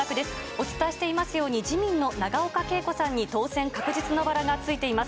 お伝えしていますように、自民の永岡桂子さんに当選確実のバラがついています。